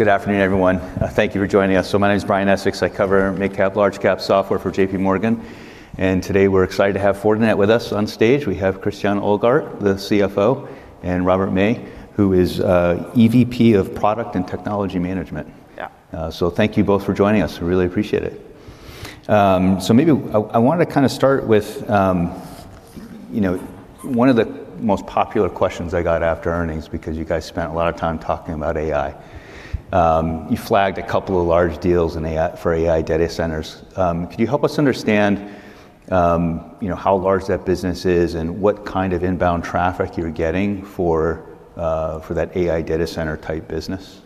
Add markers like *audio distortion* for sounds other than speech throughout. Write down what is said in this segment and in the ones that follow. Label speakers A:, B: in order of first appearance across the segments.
A: Good afternoon, everyone. Thank you for joining us. My name's Brian Essex. I cover mid-cap, large-cap software for J.P. Morgan. Today we're excited to have Fortinet with us. On stage we have Christiane Ohlgart, the CFO, and Robert May, who is EVP of Product and Technology Management.
B: Yeah.
A: Thank you both for joining us. We really appreciate it. Maybe I wanted to kind of start with, you know, one of the most popular questions I got after earnings because you guys spent a lot of time talking about AI. You flagged a couple of large deals in AI, for AI data centers. Could you help us understand, you know, how large that business is and what kind of inbound traffic you're getting for that AI data center type business?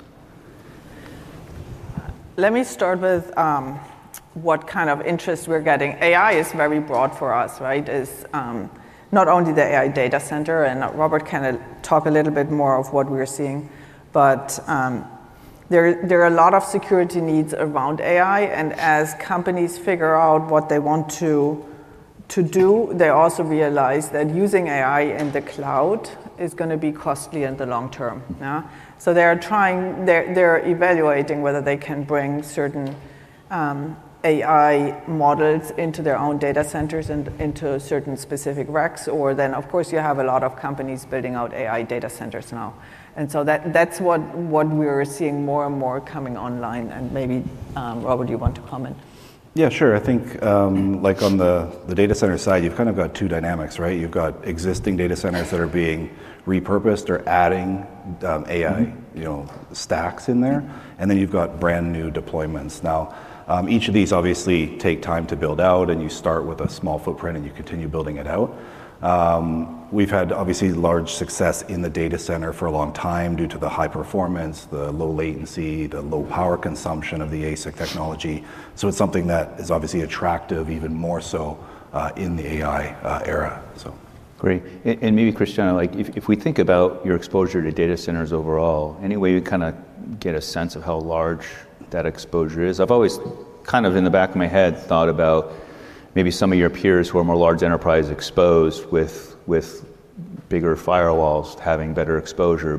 C: Let me start with what kind of interest we're getting. AI is very broad for us, right? It's not only the AI data center, and Robert can talk a little bit more of what we're seeing. There are a lot of security needs around AI as companies figure out what they want to do, they also realize that using AI in the cloud is going to be costly in the long term, yeah? They're evaluating whether they can bring certain AI models into their own data centers and into certain specific racks. Of course, you have a lot of companies building out AI data centers now. That's what we're seeing more and more coming online. Maybe Robert, you want to comment?
B: Yeah, sure. I think, like on the data center side, you've kind of got two dynamics, right? You've got existing data centers that are being repurposed or adding AI You know, stacks in there, and then you've got brand-new deployments now. Each of these obviously take time to build out, and you start with a small footprint, and you continue building it out. We've had obviously large success in the data center for a long time due to the high performance, the low latency, the low power consumption of the ASIC technology. It's something that is obviously attractive even more so in the AI era, so.
A: Great. Maybe Christiane, if we think about your exposure to data centers overall, any way you kind of get a sense of how large that exposure is? I've always kind of in the back of my head thought about maybe some of your peers who are more large enterprise exposed with bigger firewalls having better exposure.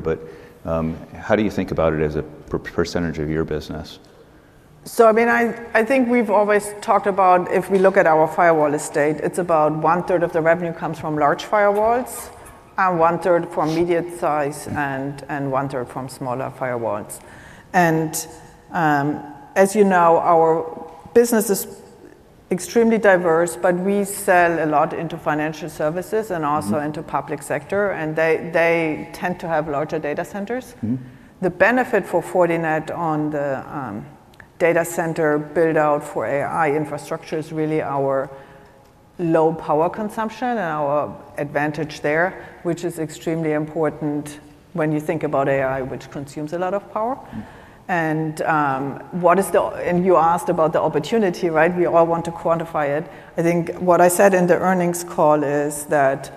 A: How do you think about it as a percentage of your business?
C: I mean, I think we've always talked about if we look at our firewall estate, it's about one-third of the revenue comes from large firewalls, and one-third from medium size, and 1/3 From smaller firewalls. As you know, our business is extremely diverse, but we sell a lot into financial services and also into public sector, they tend to have larger data centers. The benefit for Fortinet on the data center build-out for AI infrastructure is really our low power consumption and our advantage there, which is extremely important when you think about AI, which consumes a lot of power. You asked about the opportunity, right? We all want to quantify it. I think what I said in the earnings call is that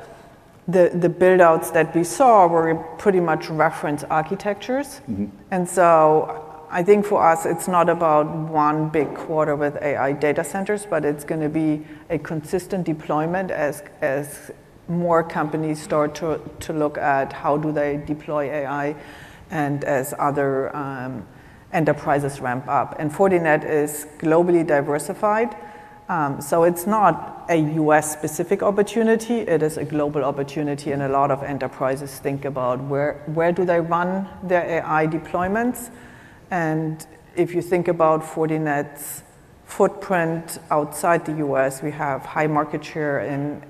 C: the build-outs that we saw were pretty much reference architectures. I think for us it's not about one big quarter with AI data centers, but it's going to be a consistent deployment as more companies start to look at how do they deploy AI and as other enterprises ramp up. Fortinet is globally diversified, so it's not a U.S.-specific opportunity. It is a global opportunity, and a lot of enterprises think about where do they run their AI deployments. If you think about Fortinet's footprint outside the U.S., we have high market share in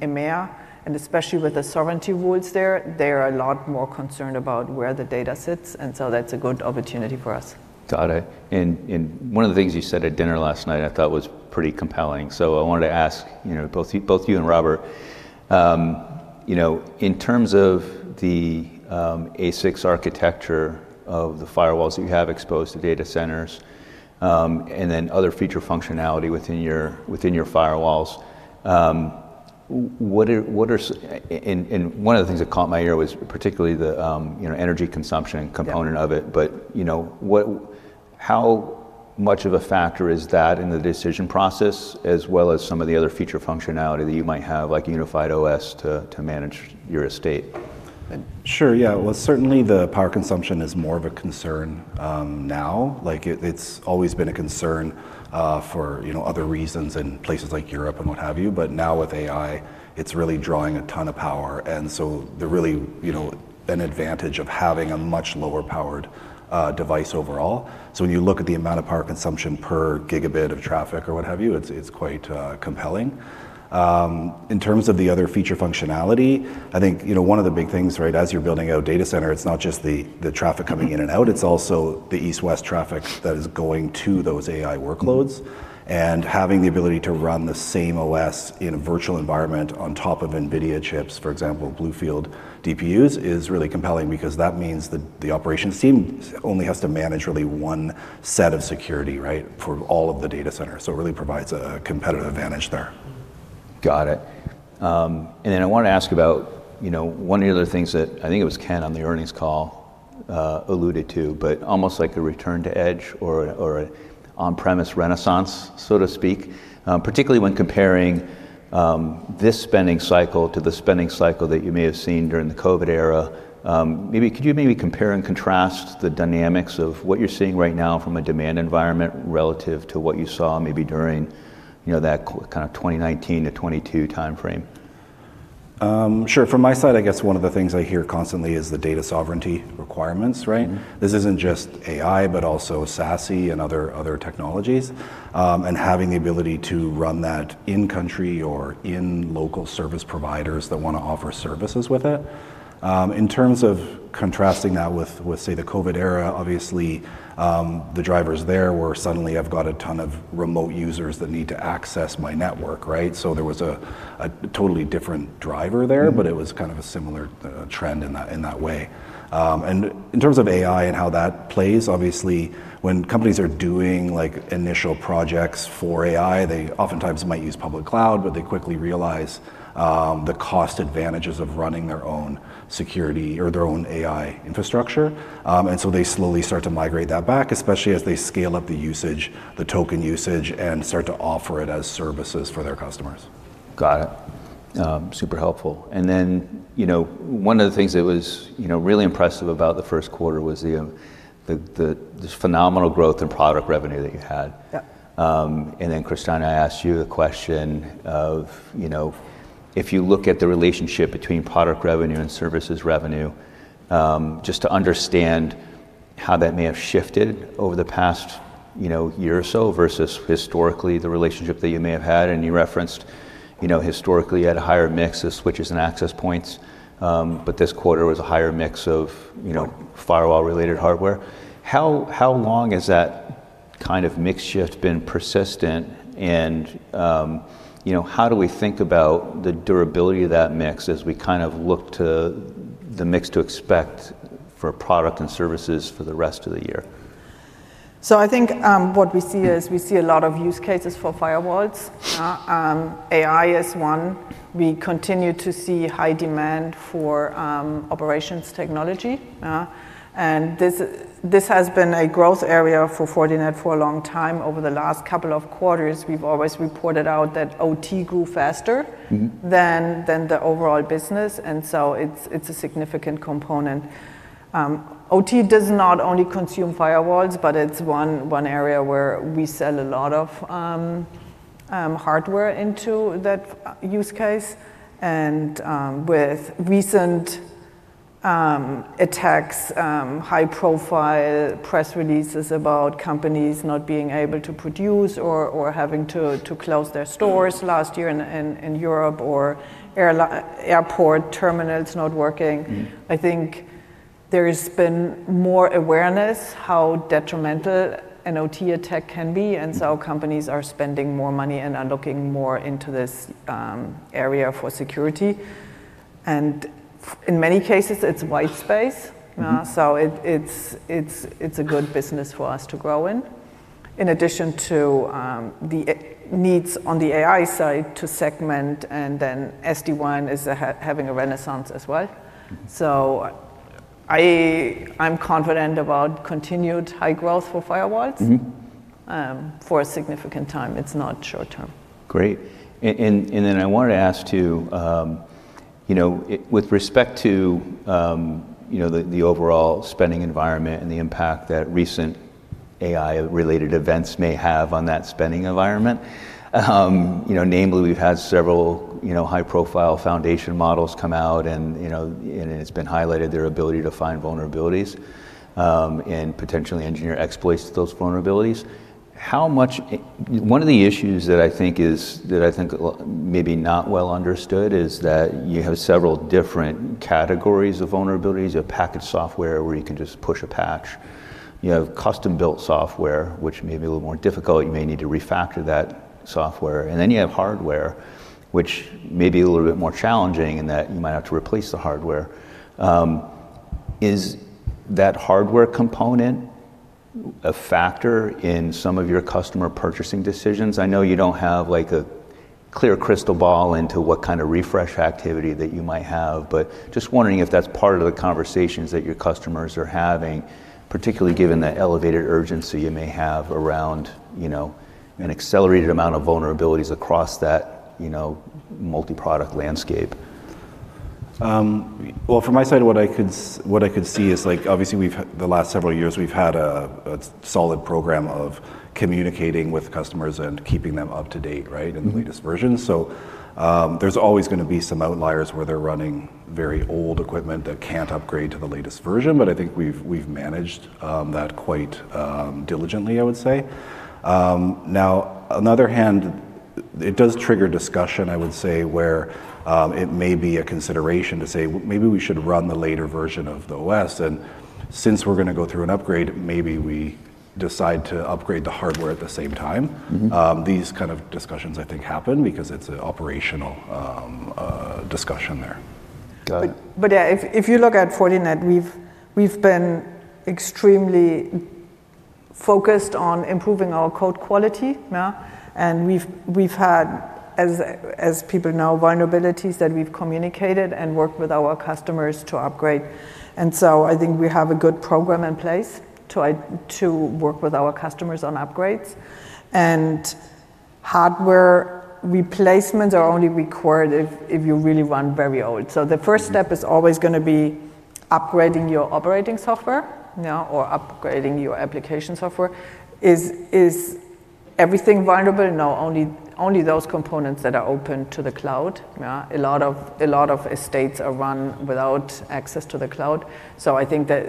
C: EMEA. Especially with the sovereignty rules there, they're a lot more concerned about where the data sits, and so that's a good opportunity for us.
A: Got it. One of the things you said at dinner last night I thought was pretty compelling, so I wanted to ask, you know, both you and Robert, you know, in terms of the ASIC architecture of the firewalls that you have exposed to data centers, and then other feature functionality within your firewalls. One of the things that caught my ear was particularly the, you know, energy consumption component of it. You know, how much of a factor is that in the decision process as well as some of the other feature functionality that you might have, like unified OS to manage your estate.
B: Sure, yeah. Well, certainly the power consumption is more of a concern now. Like it's always been a concern for, you know, other reasons in places like Europe and what have you. Now with AI, it's really drawing a ton of power, so there really, you know, an advantage of having a much lower powered device overall. When you look at the amount of power consumption per gigabit of traffic or what have you, it's quite compelling. In terms of the other feature functionality, I think, you know, one of the big things, right, as you're building out a data center, it's not just the traffic coming in and out, it's also the east-west traffic that is going to those AI workloads. Having the ability to run the same OS in a virtual environment on top of NVIDIA chips, for example, BlueField DPUs, is really compelling because that means the operations team only has to manage really one set of security, right, for all of the data centers. It really provides. *audio distortion*
A: Got it. Then I want to ask about, you know, one of the other things that I think it was Ken on the earnings call alluded to, but almost like a return to edge or a on-premise renaissance, so to speak. Particularly when comparing this spending cycle to the spending cycle that you may have seen during the COVID era. Could you maybe compare and contrast the dynamics of what you're seeing right now from a demand environment relative to what you saw maybe during, you know, that kind of 2019 to 2022 timeframe?
B: Sure. From my side, I guess one of the things I hear constantly is the data sovereignty requirements, right? This isn't just AI, but also SASE and other technologies. Having the ability to run that in-country or in local service providers that want to offer services with it. In terms of contrasting that with, say, the COVID era, obviously, the drivers there were suddenly I've got a ton of remote users that need to access my network, right? There was a totally different driver there. It was kind of a similar trend in that, in that way. In terms of AI and how that plays, obviously when companies are doing like initial projects for AI, they oftentimes might use public cloud, but they quickly realize the cost advantages of running their own security or their own AI infrastructure. They slowly start to migrate that back, especially as they scale up the usage, the token usage, and start to offer it as services for their customers.
A: Got it, super helpful. You know, one of the things that was, you know, really impressive about the first quarter was this phenomenal growth in product revenue that you had.
B: Yeah.
A: Then Christiane asked you the question of, you know, if you look at the relationship between product revenue and services revenue, just to understand how that may have shifted over the past, you know, year or so versus historically the relationship that you may have had. You referenced, you know, historically you had a higher mix of switches and access points, but this quarter was a higher mix of, you know, firewall-related hardware. How long has that kind of mix shift been persistent? You know, how do we think about the durability of that mix as we kind of look to the mix to expect for product and services for the rest of the year?
C: I think what we see is we see a lot of use cases for firewalls. AI is one. We continue to see high demand for operations technology. This has been a growth area for Fortinet for a long time. Over the last couple of quarters, we've always reported out that OT grew faster than the overall business, it's a significant component. OT does not only consume firewalls, but it's one area where we sell a lot of hardware into that use case. With recent attacks, high-profile press releases about companies not being able to produce or having to close their stores last year in Europe or airport terminals not working. I think there's been more awareness how detrimental an OT attack can be. Companies are spending more money and are looking more into this area for security. In many cases, it's white space. It's a good business for us to grow in. In addition to the needs on the AI side to segment and then SD-WAN is having a renaissance as well. I'm confident about continued high growth for firewalls for a significant time. It's not short term.
A: Great. Then I wanted to ask too, you know, with respect to, you know, the overall spending environment and the impact that recent AI-related events may have on that spending environment, you know, namely we've had several, you know, high profile foundation models come out and, you know, it's been highlighted their ability to find vulnerabilities, and potentially engineer exploits to those vulnerabilities. One of the issues that I think is, that I think maybe not well understood is that you have several different categories of vulnerabilities. You have packaged software where you can just push a patch. You have custom-built software, which may be a little more difficult, you may need to refactor that software. You have hardware, which may be a little bit more challenging in that you might have to replace the hardware. Is that hardware component a factor in some of your customer purchasing decisions? I know you don't have like a clear crystal ball into what kind of refresh activity that you might have, but just wondering if that's part of the conversations that your customers are having, particularly given the elevated urgency you may have around, you know, an accelerated amount of vulnerabilities across that, you know, multi-product landscape.
B: Well, from my side, what I could see is like, obviously the last several years we've had a solid program of communicating with customers and keeping them up to date, and the latest version. There's always going to be some outliers where they're running very old equipment that can't upgrade to the latest version. I think we've managed that quite diligently, I would say. now another hand, it does trigger discussion, I would say, where it may be a consideration to say, "Well, maybe we should run the later version of the OS, and since we're going to go through an upgrade, maybe we decide to upgrade the hardware at the same time. These kind of discussions I think happen because it's an operational discussion there.
C: If you look at Fortinet, we've been extremely focused on improving our code quality, yeah. We've had as people know, vulnerabilities that we've communicated and worked with our customers to upgrade. I think we have a good program in place to work with our customers on upgrades. Hardware replacements are only required if you really run very old. The first step is always going to be upgrading your operating software, yeah, or upgrading your application software. Is everything vulnerable? No, only those components that are open to the cloud, yeah. A lot of estates are run without access to the cloud. I think that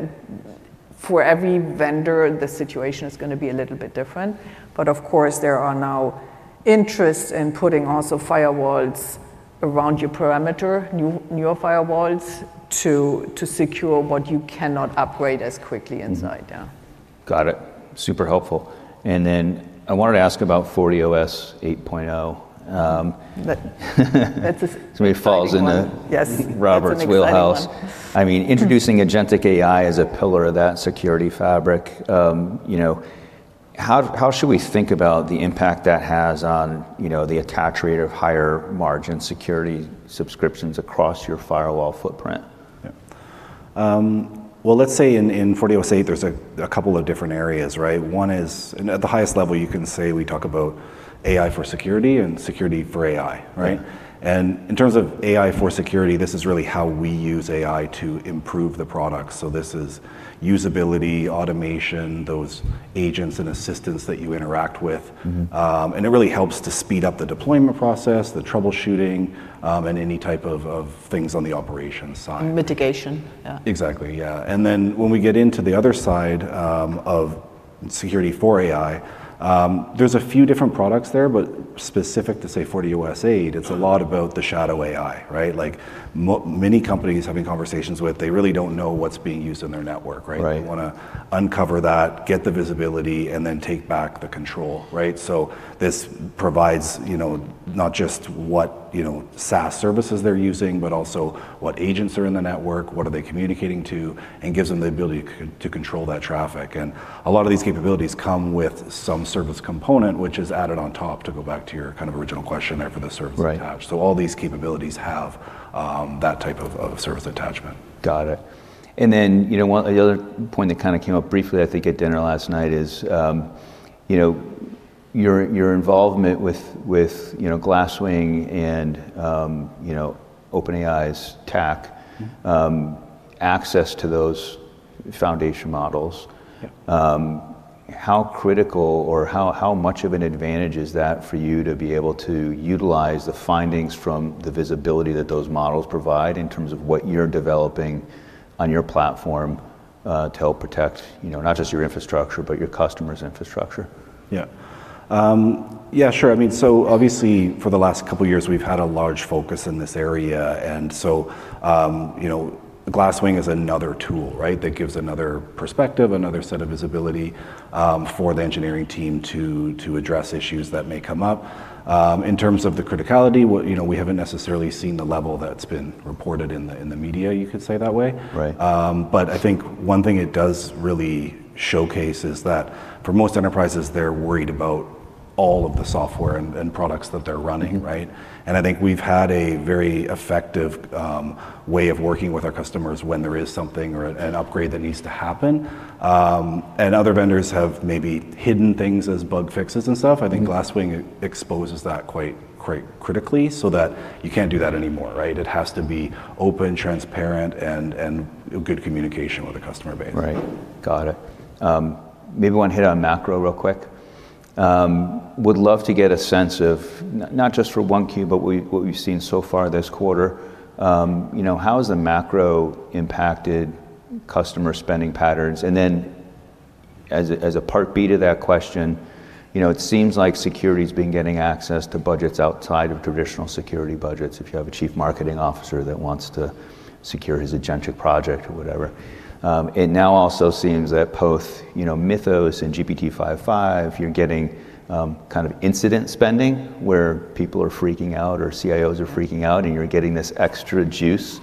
C: for every vendor, the situation is going to be a little bit different. Of course, there are now interests in putting also firewalls around your perimeter, new firewalls, to secure what you cannot upgrade as quickly inside.
A: Got it, super helpful. Then I wanted to ask about FortiOS 8.0.
C: That's an [exciting one].
A: Somebody falls into Robert's wheelhouse.
C: Yes, that's an exciting one.
A: I mean, introducing agentic AI as a pillar of that Security Fabric, you know, how should we think about the impact that has on, you know, the attach rate of higher margin security subscriptions across your firewall footprint?
B: Yeah. Well, let's say in FortiOS 8.0 there's a couple of different areas, right? One is, at the highest level, you can say we talk about AI for security and security for AI, right? In terms of AI for security, this is really how we use AI to improve the product. This is usability, automation, those agents and assistants that you interact with. It really helps to speed up the deployment process, the troubleshooting, and any type of things on the operations side.
C: Mitigation, yeah.
B: Exactly, yeah. Then when we get into the other side of security for AI, there's a few different products there, but specific to, say, FortiOS 8.0, it's a lot about the shadow AI, right? Like many companies having conversations with, they really don't know what's being used in their network, right?
A: Right.
B: They want to uncover that, get the visibility, and then take back the control, right? This provides, you know, not just what, you know, SaaS services they're using, but also what agents are in the network, what are they communicating to, and gives them the ability to control that traffic. A lot of these capabilities come with some service component which is added on top, to go back to your kind of original question there for the service attach.
A: Right.
B: All these capabilities have that type of service attachment.
A: Got it. Then, you know, one, the other point that kind of came up briefly I think at dinner last night is, you know, your involvement with, you know, Glasswing and you know, OpenAI's tech access to those foundation models.
B: Yeah.
A: How critical or how much of an advantage is that for you to be able to utilize the findings from the visibility that those models provide in terms of what you're developing on your platform, to help protect, you know, not just your infrastructure, but your customers' infrastructure?
B: Yeah, sure. I mean, obviously for the last couple years we've had a large focus in this area. Glasswing is another tool, right, that gives another perspective, another set of visibility, for the engineering team to address issues that may come up. In terms of the criticality, you know, we haven't necessarily seen the level that's been reported in the media, you could say that way.
A: Right.
B: I think one thing it does really showcase is that for most enterprises, they're worried about all of the software and products that they're running, right? I think we've had a very effective way of working with our customers when there is something or an upgrade that needs to happen. Other vendors have maybe hidden things as bug fixes and stuff. I think Glasswing exposes that quite critically so that you can't do that anymore, right? It has to be open, transparent, and good communication with the customer base.
A: Right, got it. Maybe want to hit on macro real quick. Would love to get a sense of not just for 1Q, but what you've seen so far this quarter. You know, how has the macro impacted customer spending patterns? Then as a part B to that question, you know, it seems like security's been getting access to budgets outside of traditional security budgets, if you have a chief marketing officer that wants to secure his agentic project or whatever. It now also seems that both, you know, Mythos and GPT-5.5, you're getting kind of incident spending where people are freaking out or CIOs are freaking out, and you're getting this extra juice.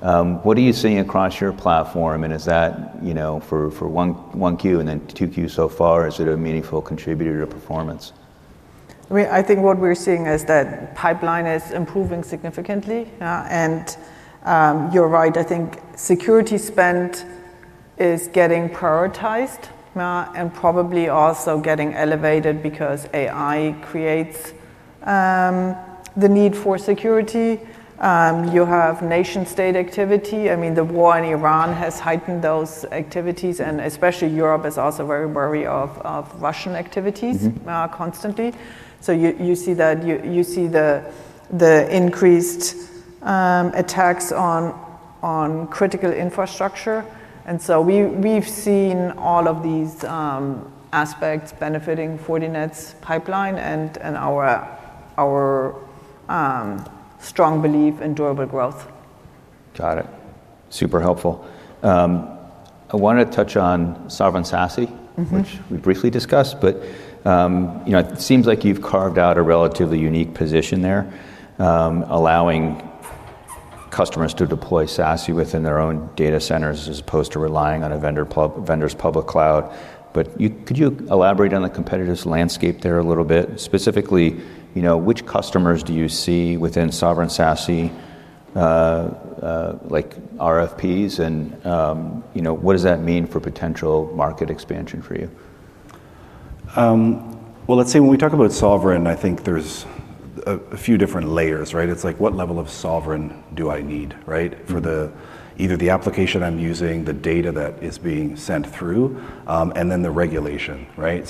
A: What are you seeing across your platform, and is that, you know, for 1Q and then 2Q so far, is it a meaningful contributor to performance?
C: I mean, I think what we're seeing is that pipeline is improving significantly, yeah. You're right, I think security spend is getting prioritized, yeah, and probably also getting elevated because AI creates the need for security. You have nation state activity. I mean, the war in Ukraine has heightened those activities, and especially Europe is also very wary of Russian activities constantly. You see that, you see the increased attacks on critical infrastructure. We've seen all of these aspects benefiting Fortinet's pipeline and our strong belief in durable growth.
A: Got it, super helpful. I wanted to touch on sovereign SASE which we briefly discussed, but, you know, it seems like you've carved out a relatively unique position there, allowing customers to deploy SASE within their own data centers as opposed to relying on a vendor's public cloud. Could you elaborate on the competitors' landscape there a little bit? Specifically, you know, which customers do you see within sovereign SASE, like RFPs and, you know, what does that mean for potential market expansion for you?
B: Well, let's say when we talk about sovereign, I think there's a few different layers, right? It's like, what level of sovereign do I need, right? For the either the application I'm using, the data that is being sent through, and then the regulation, right?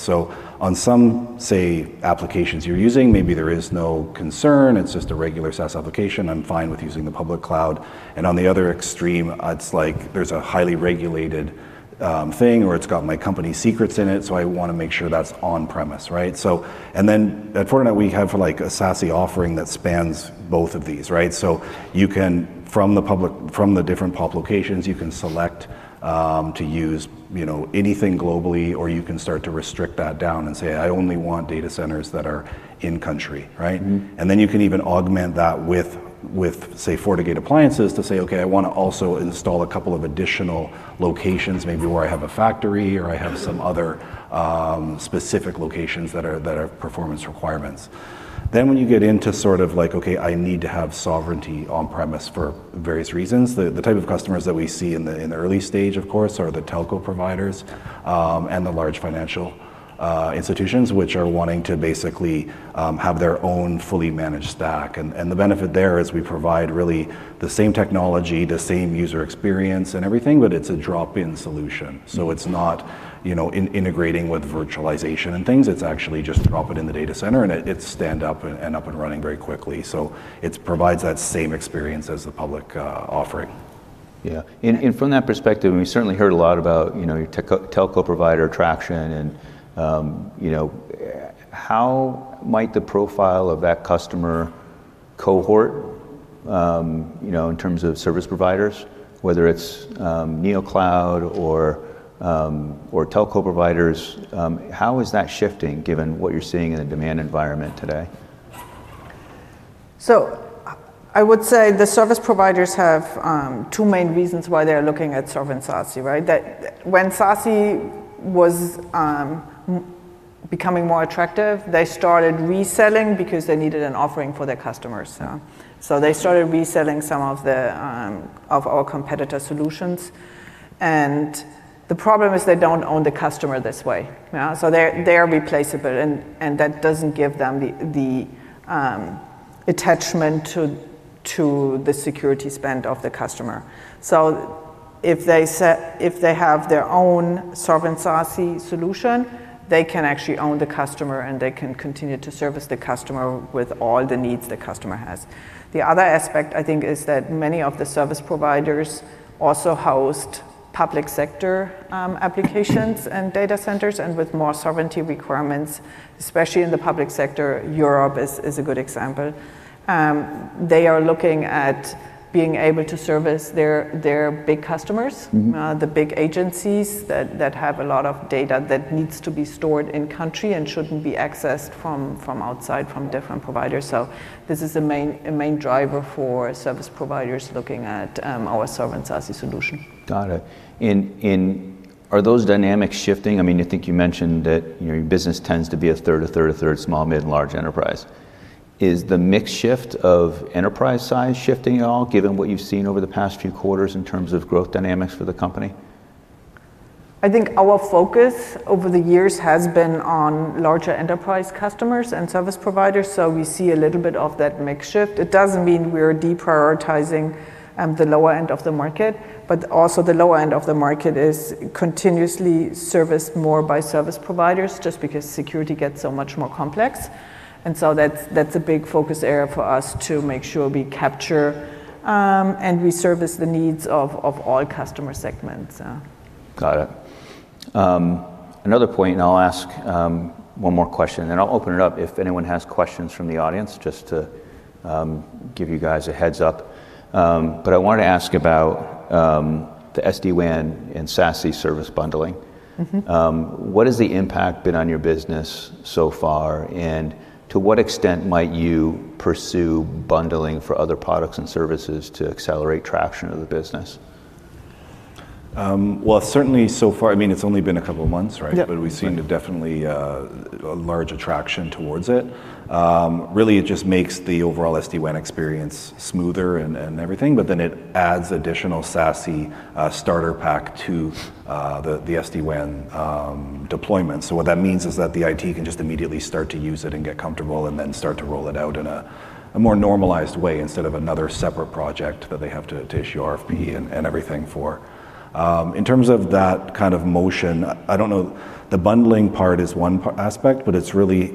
B: On some, say, applications you're using, maybe there is no concern. It's just a regular SaaS application. I'm fine with using the public cloud. On the other extreme, it's like there's a highly regulated thing, or it's got my company secrets in it, so I want to make sure that's on premise, right? At Fortinet, we have like a SASE offering that spans both of these, right? You can, from the public, from the different public locations, you can select to use, you know, anything globally, or you can start to restrict that down and say, "I only want data centers that are in country," right? Then you can even augment that with, say, FortiGate appliances to say, "Okay, I want to also install two additional locations maybe where I have a factory or I have some other specific locations that are performance requirements." When you get into sort of like, okay, I need to have sovereignty on premise for various reasons, the type of customers that we see in the early stage, of course, are the telco providers and the large financial institutions, which are wanting to basically have their own fully managed stack. The benefit there is we provide really the same technology, the same user experience and everything, but it's a drop-in solution. It's not, you know, integrating with virtualization and things. It's actually just drop it in the data center, and it's stand up and up and running very quickly. It's provides that same experience as the public offering.
A: Yeah. From that perspective, we certainly heard a lot about, you know, your telco provider traction and, you know, how might the profile of that customer cohort, you know, in terms of service providers, whether it's Neocloud or telco providers, how is that shifting given what you're seeing in the demand environment today?
C: I would say the service providers have two main reasons why they are looking at sovereign SASE, right? When SASE was becoming more attractive, they started reselling because they needed an offering for their customers, so they started reselling some of the of our competitor solutions. The problem is they don't own the customer this way. Yeah? They're replaceable and that doesn't give them the attachment to the security spend of the customer. If they have their own sovereign SASE solution, they can actually own the customer, and they can continue to service the customer with all the needs the customer has. The other aspect, I think, is that many of the service providers also host public sector applications and data centers, and with more sovereignty requirements, especially in the public sector, Europe is a good example. They are looking at being able to service their big customers. The big agencies that have a lot of data that needs to be stored in country and shouldn't be accessed from outside from different providers. This is a main driver for service providers looking at our sovereign SASE solution.
A: Got it. Are those dynamics shifting? I mean, I think you mentioned that, you know, your business tends to be a third, a third, a third small, mid, and large enterprise. Is the mix shift of enterprise size shifting at all given what you've seen over the past few quarters in terms of growth dynamics for the company?
C: I think our focus over the years has been on larger enterprise customers and service providers, so we see a little bit of that mix shift. It doesn't mean we're deprioritizing, the lower end of the market, but also the lower end of the market is continuously serviced more by service providers just because security gets so much more complex. That's a big focus area for us to make sure we capture, and we service the needs of all customer segments.
A: Got it. Another point, I'll ask one more question, and then I'll open it up if anyone has questions from the audience just to give you guys a heads-up. I wanted to ask about the SD-WAN and SASE service bundling. What has the impact been on your business so far, and to what extent might you pursue bundling for other products and services to accelerate traction of the business?
B: Well, certainly so far, I mean, it's only been a couple of months, right?
C: Yeah.
B: We seem to definitely a large attraction towards it. Really it just makes the overall SD-WAN experience smoother and everything, but then it adds additional SASE starter pack to the SD-WAN deployments. What that means is that the IT can just immediately start to use it and get comfortable and then start to roll it out in a more normalized way instead of another separate project that they have to issue RFP and everything for. In terms of that kind of motion, I don't know, the bundling part is one aspect, it's really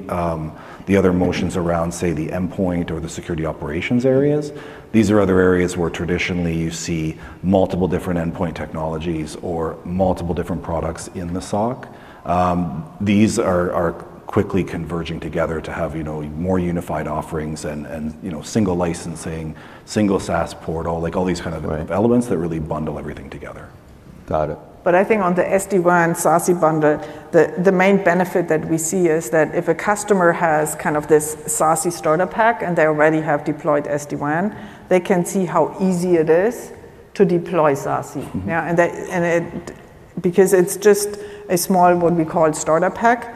B: the other motions around, say, the endpoint or the security operations areas. These are other areas where traditionally you see multiple different endpoint technologies or multiple different products in the SOC. These are quickly converging together to have, you know, more unified offerings and you know, single licensing, single SaaS portal elements that really bundle everything together.
A: Got it.
C: I think on the SD-WAN SASE bundle, the main benefit that we see is that if a customer has kind of this SASE starter pack and they already have deployed SD-WAN, they can see how easy it is to deploy SASE, because it's just a small, what we call starter pack,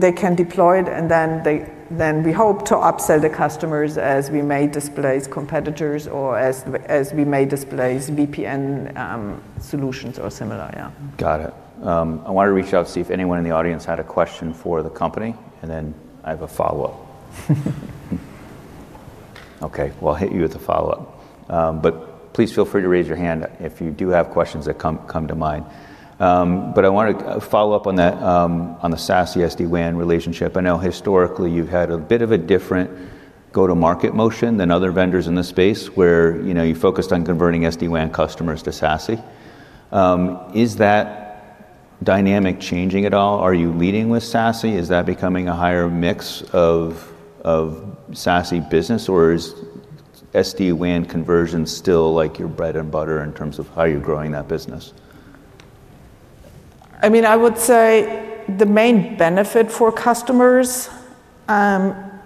C: they can deploy it and then we hope to upsell the customers as we may displace competitors or as we may displace VPN solutions or similar, yeah.
A: Got it. I want to reach out, see if anyone in the audience had a question for the company, and then I have a follow-up. Well, I'll hit you with the follow-up. Please feel free to raise your hand if you do have questions that come to mind. I want to follow up on that, on the SASE SD-WAN relationship. I know historically you've had a bit of a different go-to-market motion than other vendors in the space where, you know, you focused on converting SD-WAN customers to SASE. Is that dynamic changing at all? Are you leading with SASE? Is that becoming a higher mix of SASE business or is SD-WAN conversion still like your bread and butter in terms of how you're growing that business?
C: I mean, I would say the main benefit for customers can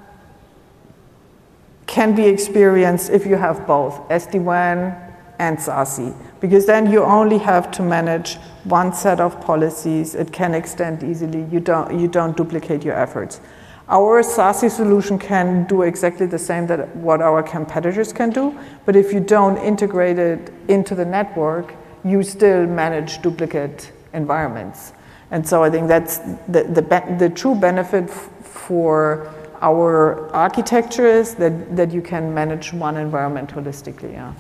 C: be experienced if you have both SD-WAN and SASE, because then you only have to manage one set of policies. It can extend easily. You don't duplicate your efforts. Our SASE solution can do exactly the same that what our competitors can do. If you don't integrate it into the network, you still manage duplicate environments. I think that's the true benefit for our architecture is that you can manage one environment holistically, yeah.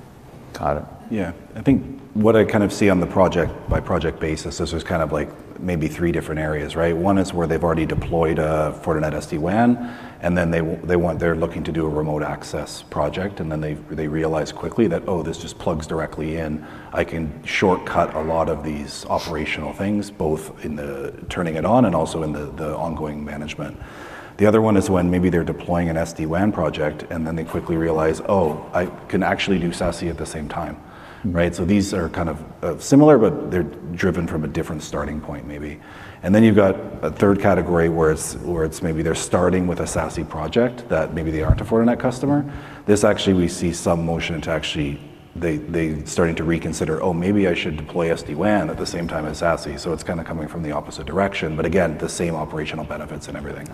A: Got it.
B: Yeah. I think what I kind of see on the project-by-project basis is there's kind of like maybe three different areas, right? One is where they've already deployed a Fortinet SD-WAN, and then they're looking to do a remote access project, and then they realize quickly that, oh, this just plugs directly in. I can shortcut a lot of these operational things, both in the turning it on and also in the ongoing management. The other one is when maybe they're deploying an SD-WAN project, and then they quickly realize, "Oh, I can actually do SASE at the same time. These are kind of similar, but they're driven from a different starting point maybe. You've got a third category where maybe they're starting with a SASE project that maybe they aren't a Fortinet customer. This actually we see some motion to actually starting to reconsider, "Oh, maybe I should deploy SD-WAN at the same time as SASE." It's kind of coming from the opposite direction. The same operational benefits and everything.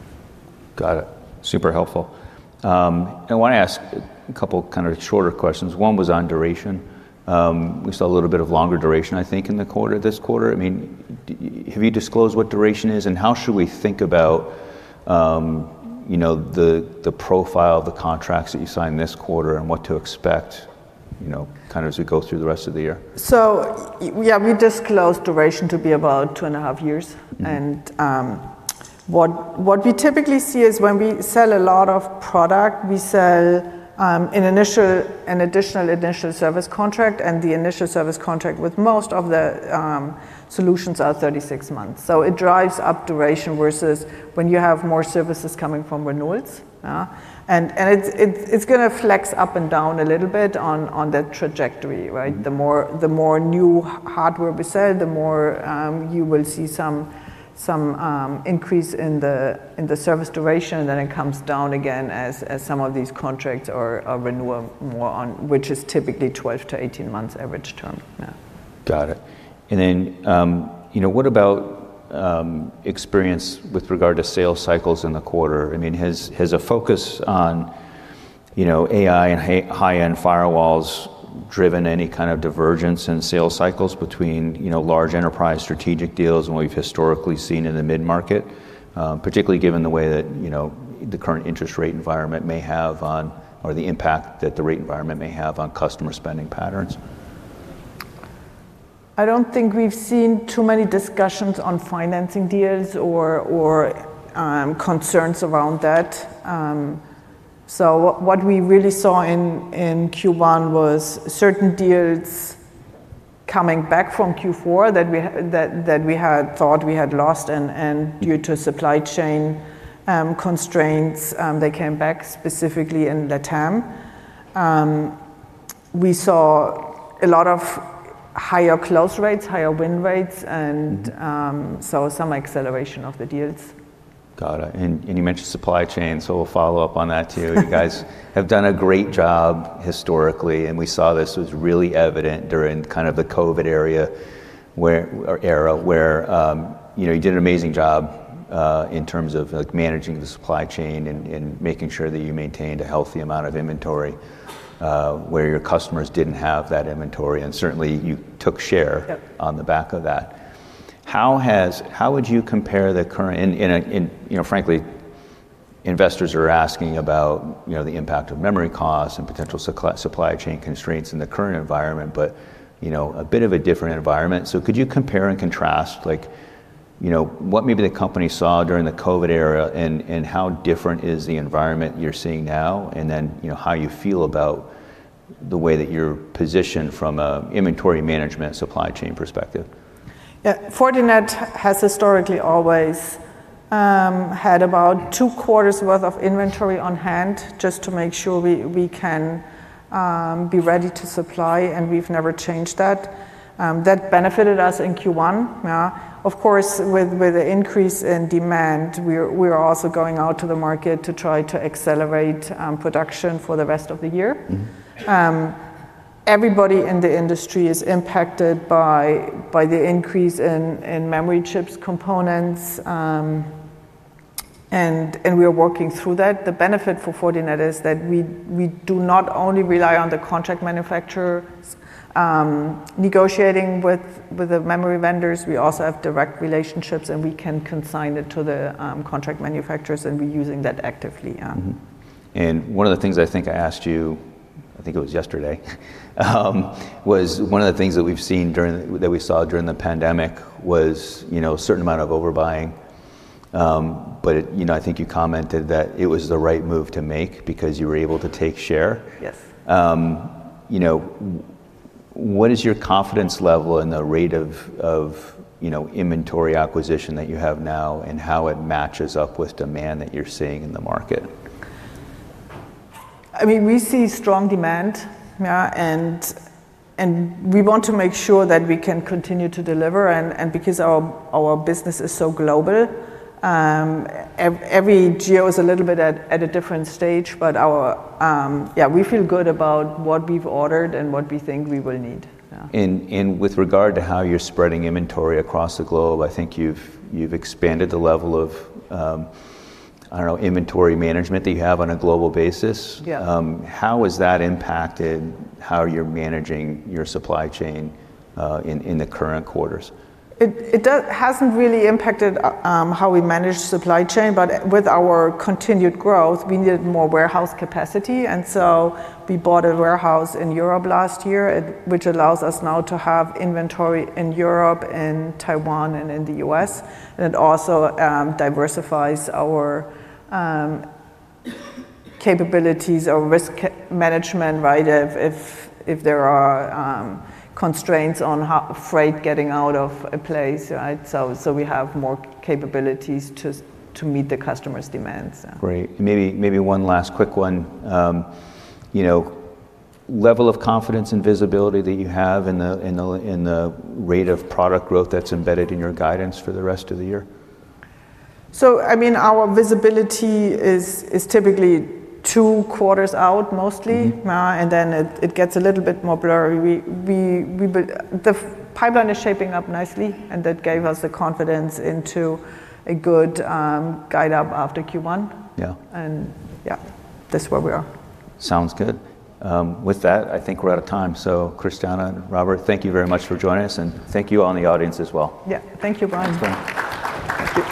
A: Got it, super helpful. I want to ask a couple kind of shorter questions. One was on duration. We saw a little bit of longer duration, I think in this quarter. I mean, have you disclosed what duration is? How should we think about, you know, the profile of the contracts that you signed this quarter and what to expect, you know, kind of as we go through the rest of the year?
C: Yeah, we disclosed duration to be about two and a half years. What we typically see is when we sell a lot of product, we sell an additional initial service contract, and the initial service contract with most of the solutions are 36 months. It drives up duration versus when you have more services coming from renewals. It's going to flex up and down a little bit on that trajectory, right? The more new hardware we sell, the more you will see some increase in the service duration. It comes down again as some of these contracts are renewable more on, which is typically 12-18 months average term.
A: Got it. Then, you know, what about experience with regard to sales cycles in the quarter? I mean, has a focus on, you know, AI and high-end firewalls driven any kind of divergence in sales cycles between, you know, large enterprise strategic deals and what we've historically seen in the mid-market, particularly given the way that, you know, the current interest rate environment may have on or the impact that the rate environment may have on customer spending patterns?
C: I don't think we've seen too many discussions on financing deals or concerns around that. What we really saw in Q1 was certain deals coming back from Q4 that we had thought we had lost due to supply chain constraints. They came back specifically in LATAM. We saw a lot of higher close rates, higher win rates, and saw some acceleration of the deals.
A: Got it. You mentioned supply chain, we'll follow up on that too. You guys have done a great job historically, and we saw this was really evident during kind of the COVID era where, you know, you did an amazing job in terms of like managing the supply chain and making sure that you maintained a healthy amount of inventory where your customers didn't have that inventory, and certainly you took share on the back of that.
C: Yep
A: How would you compare the current in, you know, frankly, investors are asking about, you know, the impact of memory costs and potential supply chain constraints in the current environment, but you know, a bit of a different environment. Could you compare and contrast like, you know, what maybe the company saw during the COVID era, and how different is the environment you're seeing now, and then, you know, how you feel about the way that you're positioned from a inventory management supply chain perspective?
C: Fortinet has historically always had about two quarters worth of inventory on hand just to make sure we can be ready to supply, and we've never changed that. That benefited us in Q1. Of course, with the increase in demand, we're also going out to the market to try to accelerate production for the rest of the year. Everybody in the industry is impacted by the increase in memory chips components. We're working through that. The benefit for Fortinet is that we do not only rely on the contract manufacturers negotiating with the memory vendors, we also have direct relationships, and we can consign it to the contract manufacturers, and we're using that actively.
A: One of the things I think I asked you, I think it was yesterday, was one of the things that we've seen during, that we saw during the pandemic was, you know, a certain amount of overbuying. It, you know, I think you commented that it was the right move to make because you were able to take share.
C: Yes.
A: You know, what is your confidence level in the rate of, you know, inventory acquisition that you have now, and how it matches up with demand that you're seeing in the market?
C: I mean, we see strong demand, yeah, and we want to make sure that we can continue to deliver. Because our business is so global, every geo is a little bit at a different stage. Yeah, we feel good about what we've ordered and what we think we will need, yeah.
A: With regard to how you're spreading inventory across the globe, I think you've expanded the level of, I don't know, inventory management that you have on a global basis.
C: Yeah.
A: How has that impacted how you're managing your supply chain in the current quarters?
C: It hasn't really impacted how we manage supply chain, but with our continued growth, we needed more warehouse capacity. We bought a warehouse in Europe last year, which allows us now to have inventory in Europe, in Taiwan, and in the U.S. It also diversifies our capabilities or risk management, right? If there are constraints on freight getting out of a place, right? We have more capabilities to meet the customers' demands, yeah.
A: Great. Maybe one last quick one. You know, level of confidence and visibility that you have in the rate of product growth that's embedded in your guidance for the rest of the year?
C: I mean, our visibility is typically two quarters out mostly. Then it gets a little bit more blurry. The pipeline is shaping up nicely, and that gave us the confidence into a good guide up after Q1.
A: Yeah.
C: Yeah, that's where we are.
A: Sounds good. With that, I think we're out of time. Christiane and Robert, thank you very much for joining us, and thank you all in the audience as well.
C: Yeah. Thank you, Brian.
B: Thanks.